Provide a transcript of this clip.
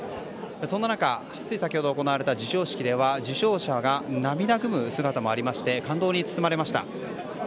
そんな中、つい先ほど行われた授賞式では受賞者が涙ぐむ姿もありまして感動に包まれました。